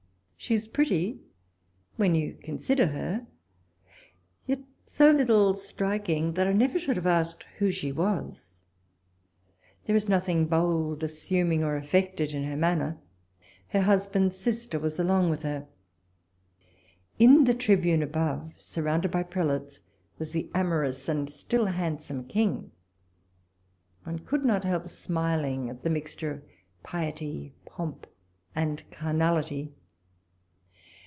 She is pretty, when you con sider her ; yet so little striking, that I never should have asked who she was. There is walpole's letters. 145 nothing bold, assuming, or affected in her man ner. Her husband's sister was along with her. In the Tribune above, surrounded by prelates, was the amorous and still handsome King. One could not help smiling at the mixture of piety, pomp, and carnality.